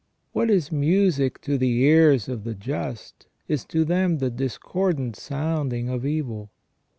What is music to the ears of the just is to them the discordant sounding of evil.